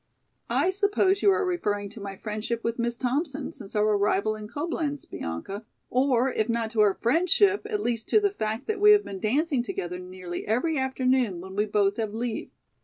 "I suppose you are referring to my friendship with Miss Thompson since our arrival in Coblenz, Bianca, or if not to our friendship at least to the fact that we have been dancing together nearly every afternoon when we both have leave.